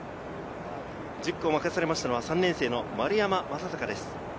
１０区を任されたのは３年生の丸山真孝です。